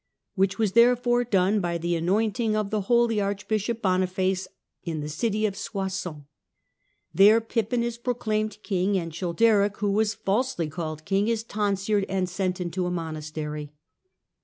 Which was therefore done by the anointing of the holy Archbishop Boniface in the city of Soissons. There Pippin is proclaimed king, and Childeric, who was falsely called king, is tonsured and sent into a monastery."